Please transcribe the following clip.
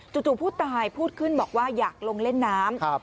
จู่ผู้ตายพูดขึ้นบอกว่าอยากลงเล่นน้ำ